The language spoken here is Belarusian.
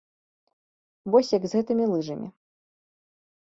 Вось як з гэтымі лыжамі.